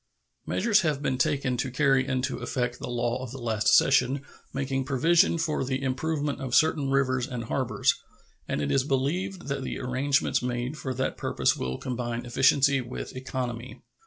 Measures have been taken to carry into effect the law of the last session making provision for the improvement of certain rivers and harbors, and it is believed that the arrangements made for that purpose will combine efficiency with economy.